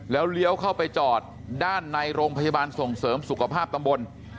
แล้วเลี้ยวเข้าไปจอดด้านในโรงพยาบาลส่งเสริมสุขภาพตำบล